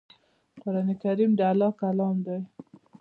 قران کریم د الله ج کلام دی